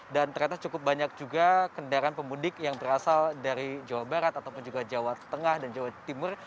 dan ternyata cukup banyak juga kendaraan pemudik yang berasal dari jawa barat ataupun juga jawa tengah dan jawa timur